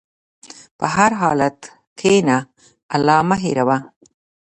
په هر حالت کښېنه، الله مه هېروه.